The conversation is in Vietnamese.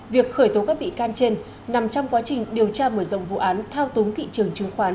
việc khởi tố các bị can trên nằm trong quá trình điều tra mở rộng vụ án thao túng thị trường chứng khoán